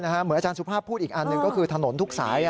เหมือนอาจารย์สุภาพพูดอีกอันหนึ่งก็คือถนนทุกสาย